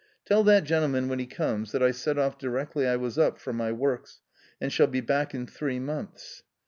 .' "Tell that gentleman when he comes, that I set off 'directly I was up for my works, and shall be back in three /months."